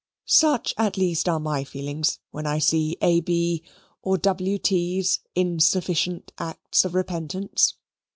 Such, at least, are my feelings, when I see A. B. or W. T.'s insufficient acts of repentance.